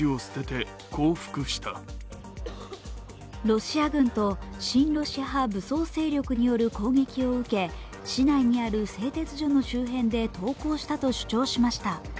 ロシア軍と親ロシア派武装勢力による攻撃を受け、市内にある製鉄所の周辺で投降したと主張しました。